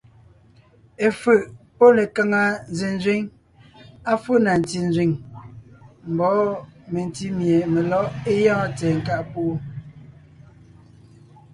Efʉ̀ʼ pɔ́ lekaŋa zẅénzẅíŋ, à fó na ntí nzẅíŋ mbɔɔ mentí mie melɔ̌ʼ é gyɔ́ɔn tsɛ̀ɛ nkáʼ púʼu.